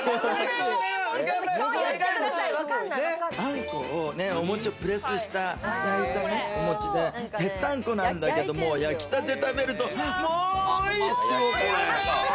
あんこをお餅をプレスして焼いたお餅で、ぺったんこなんだけど、焼きたて食べるともう美味しいよね。